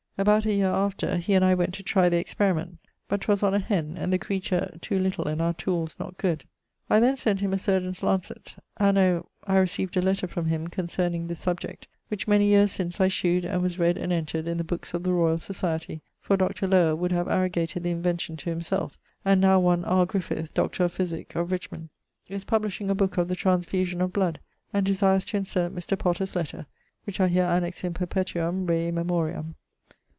About a yeare after, he and I went to trye the experiment, but 'twas on a hen, and the creature to little and our tooles not good: I then sent him a surgeon's lancet. Anno ... I recieved a letter from him concerning this subject, which many yeares since I shewed, and was read and entred in the bookes of the Royall Societie, for Dr. Lower would have arrogated the invention to himselfe, and now one [R. Griffith,] Dr. of Physique, of Richmond, is publishing a booke of the transfusion of bloud, and desires to insert Mr. Potter's letter: which I here annex in perpetuam rei memoriam.